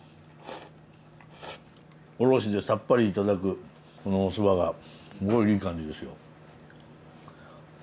おろしでさっぱり頂くこのおそばがすごいいい感じですよ。